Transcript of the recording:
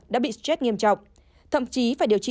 đã bị stress nghiêm trọng thậm chí phải điều trị